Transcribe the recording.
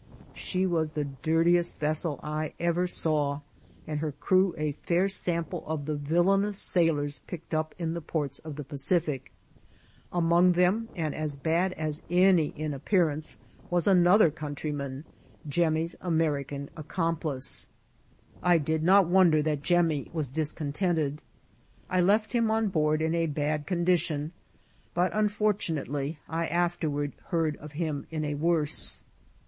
^be was the dirtiest vessel I ever saw, and her crew a fair samqpfo <rf the viUanous sailors picked up in the ports of the Pacific* Among them, and as b^ as any in appearance, was another countryman, Jemmy's American accocqplioe* Vol.!.— Uu 29 IKCIDSNT8 or TEATSL. I did not wonder that Jemmy wm discontented ; I left him on board in a bad conditiony but, nofortunatelj, I afterward heard of him in a worse.